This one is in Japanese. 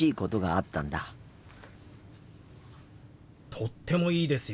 とってもいいですよ。